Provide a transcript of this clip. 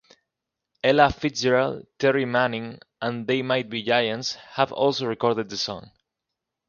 Ella Fitzgerald, Terry Manning and They Might Be Giants have also recorded the song.